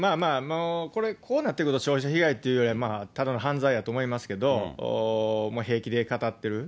これ、こうなってくると消費者被害というよりは、たぶん、犯罪やと思いますけど、平気でかたってる。